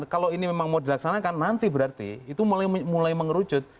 kalau ini memang mau dilaksanakan nanti berarti itu mulai mengerucut